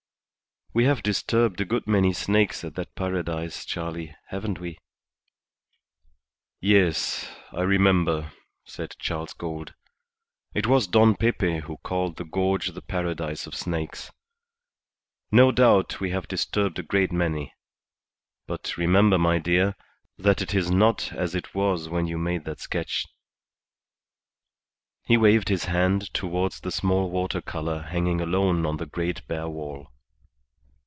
"We have disturbed a good many snakes in that Paradise, Charley, haven't we?" "Yes, I remember," said Charles Gould, "it was Don Pepe who called the gorge the Paradise of snakes. No doubt we have disturbed a great many. But remember, my dear, that it is not now as it was when you made that sketch." He waved his hand towards the small water colour hanging alone upon the great bare wall.